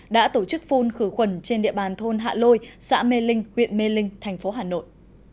đã tổ chức phun khử khuẩn trên địa bàn thôn hạ lôi xã mê linh huyện mê linh thành phố hà nội